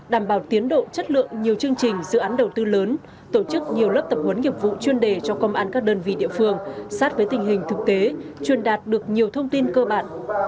đảm bảo tiến độ chất lượng nhiều chương trình dự án đầu tư lớn tổ chức nhiều lớp tập huấn nghiệp vụ chuyên đề cho công an các đơn vị địa phương sát với tình hình thực tế truyền đạt được nhiều thông tin cơ bản